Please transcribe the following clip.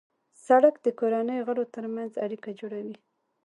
سړک د کورنۍ غړو ترمنځ اړیکه جوړوي.